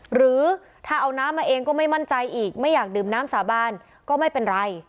หรือถ้าเอาน้ำมาเองก็ไม่มั่นใจอีกไม่อยากดื่มน้ำสาบานก็ไม่เป็นไร